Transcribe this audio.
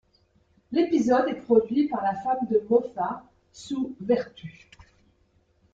L'épisode est produit par la femme de Moffat, Sue Vertue.